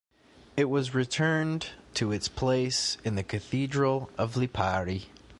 It was returned to its place in the Cathedral of Lipari.